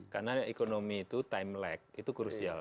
karena ekonomi itu time lag itu krusial